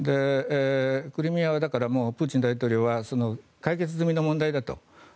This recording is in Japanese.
クリミアはだからプーチン大統領は解決済みの問題だと。